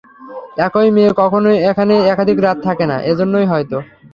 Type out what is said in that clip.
একই মেয়ে কখনও এখানে একাধিক রাত থাকে না, এজন্যই হয়তো?